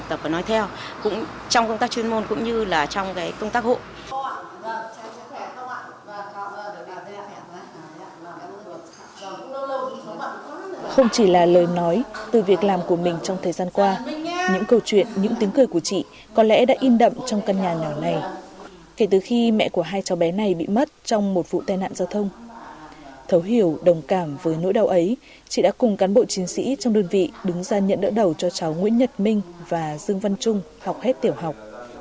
trong thời gian qua những câu chuyện những tiếng cười của chị có lẽ đã in đậm trong căn nhà nào này kể từ khi mẹ của hai cháu bé này bị mất trong một vụ tai nạn giao thông thấu hiểu đồng cảm với nỗi đau ấy chị đã cùng cán bộ chiến sĩ trong đơn vị đứng ra nhận đỡ đầu cho cháu nguyễn nhật minh và dương văn trung học hết tiểu học